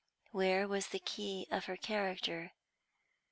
Where was the key of her character?